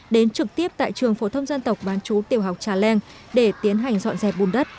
đến trực tiếp tại trường phổ thông dân tộc bán chú tiểu học trà leng để tiến hành dọn dẹp bùn đất